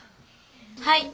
はい。